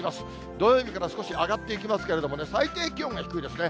土曜日から少し上がっていきますけれどもね、最低気温が低いですね。